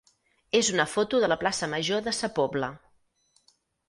és una foto de la plaça major de Sa Pobla.